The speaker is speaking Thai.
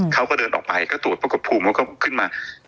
เขาก็เดินออกไปก็ตรวจปรากฏภูมิแล้วก็ขึ้นมา